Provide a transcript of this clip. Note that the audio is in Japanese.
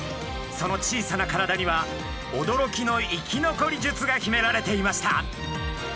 その小さな体にはおどろきの生き残り術が秘められていました。